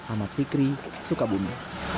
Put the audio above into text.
ahmad fikri sukabumi